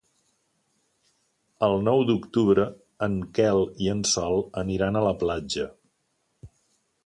El nou d'octubre en Quel i en Sol aniran a la platja.